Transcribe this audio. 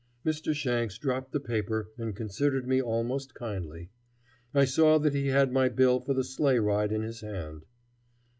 Mr. Shanks dropped the paper and considered me almost kindly. I saw that he had my bill for the sleigh ride in his hand.